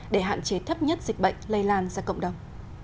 để hạn chế thấp nhất dịch bệnh lây lan ra cộng đồng